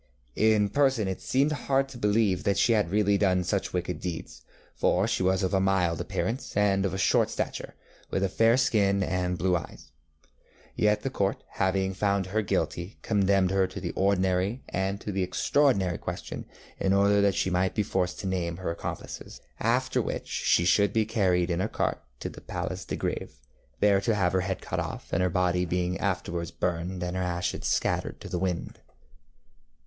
In person it seemed hard to believe that she had really done such wicked deeds, for she was of a mild appearance, and of short stature, with a fair skin and blue eyes. Yet the Court, having found her guilty, condemned her to the ordinary and to the extraordinary question in order that she might be forced to name her accomplices, after which she should be carried in a cart to the Place de Gr├©ve, there to have her head cut off, her body being afterwards burned and her ashes scattered to the winds.